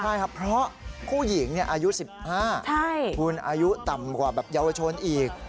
ใช่ครับเพราะผู้หญิงเนี่ยอายุ๑๕คูณอายุต่ำกว่ายวชนอีก